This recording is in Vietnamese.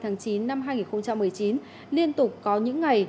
năm hai nghìn một mươi chín liên tục có những ngày